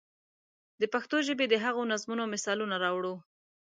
د پښتو ژبې د هغو نظمونو مثالونه راوړو.